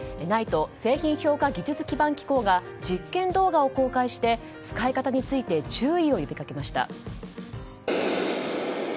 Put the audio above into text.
ＮＩＴＥ・製品評価技術基盤機構が実験動画を公開して使い方について注意を呼びかけました。